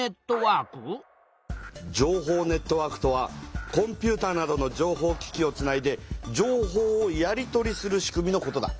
情報ネットワークとはコンピューターなどの情報機器をつないで情報をやり取りする仕組みのことだ。